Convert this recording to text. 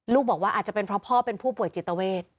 บอกว่าอาจจะเป็นเพราะพ่อเป็นผู้ป่วยจิตเวท